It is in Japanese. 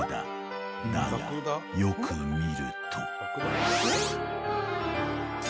［だがよく見ると］